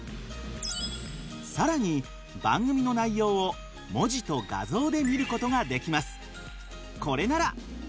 更に番組の内容を文字と画像で見ることができます。